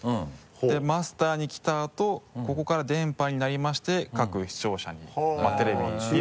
でマスターに来たあとここから電波になりまして各視聴者にテレビに届く。